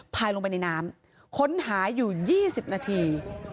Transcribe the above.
พายลงไปในน้ำค้นหายอยู่ยี่สิบนาที